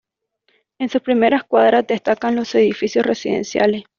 En sus primeras cuadras destacan los edificios residenciales.